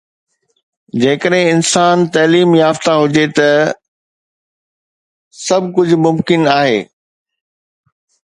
جيڪڏهن انسان تعليم يافته هجي ته سڀ ڪجهه ممڪن آهي